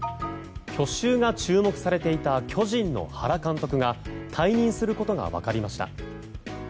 去就が注目されていた巨人の原監督が退任することが分かりました。